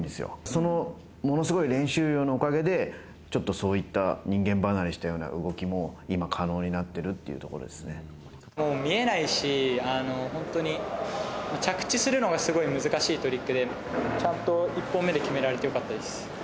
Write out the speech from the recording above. そのものすごい練習量のおかげで、ちょっと、そういった人間離れしたような動きも今、可能になってもう見えないし、本当に、着地するのがすごい難しいトリックで、ちゃんと１本目で決められてよかったです。